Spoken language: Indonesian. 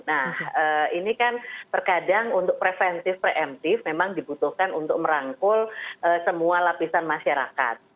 nah ini kan terkadang untuk preventif preventif memang dibutuhkan untuk merangkul semua lapisan masyarakat